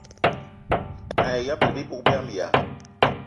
Mayi ṅyëbëla bibug biama ya